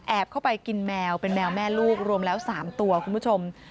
เข้าไปกินแมวเป็นแมวแม่ลูกรวมแล้ว๓ตัวคุณผู้ชม